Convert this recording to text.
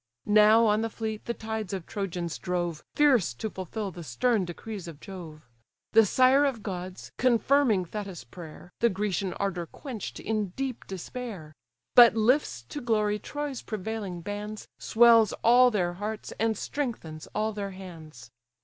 Now on the fleet the tides of Trojans drove, Fierce to fulfil the stern decrees of Jove: The sire of gods, confirming Thetis' prayer, The Grecian ardour quench'd in deep despair; But lifts to glory Troy's prevailing bands, Swells all their hearts, and strengthens all their hands.